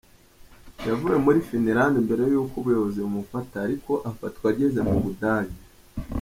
Yavuye muri Finland mbere y’uko ubuyobozi bumufata ariko afatwa ageze mu Budage.